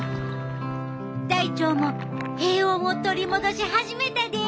大腸も平穏を取り戻し始めたで！